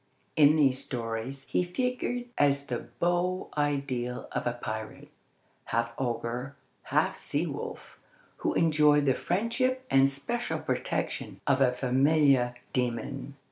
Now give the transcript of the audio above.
In these stories he figured as the beau ideal of a pirate, half ogre, half sea wolf, who enjoyed the friendship and special protection of a familiar demon.